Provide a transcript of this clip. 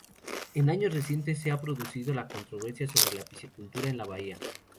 En años recientes se ha producido la controversia sobre la piscicultura en la bahía.